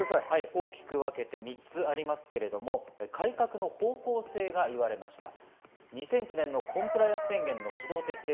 大きく分けて３つありますけど、改革の方向性が言われました。